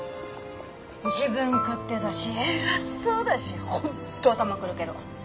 自分勝手だし偉そうだし本当頭くるけど。